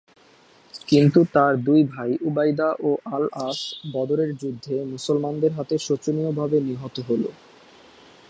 কিন্তু তার দুই ভাই উবাইদা ও আল আস বদরের যুদ্ধে মুসলমানদের হাতে শোচনীয় ভাবে নিহত হলো।